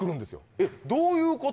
「えっどういうこと？」